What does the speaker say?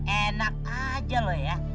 enak saja ya